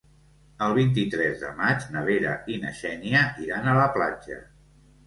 El vint-i-tres de maig na Vera i na Xènia iran a la platja.